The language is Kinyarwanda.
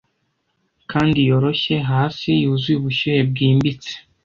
kandi yoroshye hasi yuzuye ubushyuhe bwimbitse